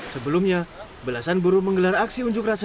sebelumnya belasan buruh menggelar aksi unjuk rasa